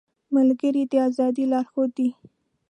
ملګری د ازادۍ لارښود دی